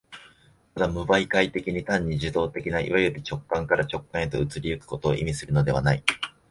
ただ無媒介的に、単に受働的ないわゆる直観から直観へと移り行くことを意味するのではない。